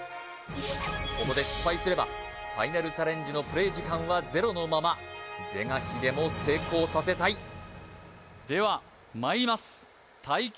ここで失敗すればファイナルチャレンジのプレイ時間はゼロのまま是が非でも成功させたいではまいります耐久！